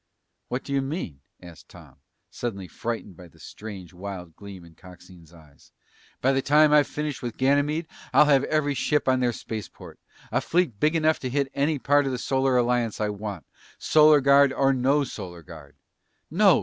"What do you mean?" asked Tom, suddenly frightened by the strange wild gleam in Coxine's eyes. "By the time I've finished with Ganymede, I'll have every ship on their spaceport. A fleet big enough to hit any part of the Solar Alliance I want! Solar Guard or no Solar Guard!" "No!